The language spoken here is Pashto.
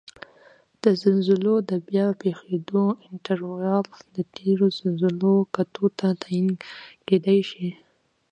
د زلزلو د بیا پېښیدو انټروال د تېرو زلزلو کتو ته تعین کېدای شي